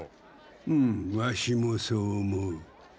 うむわしもそう思う。